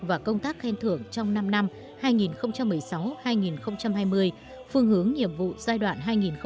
và công tác khen thưởng trong năm năm hai nghìn một mươi sáu hai nghìn hai mươi phương hướng nhiệm vụ giai đoạn hai nghìn hai mươi hai nghìn hai mươi năm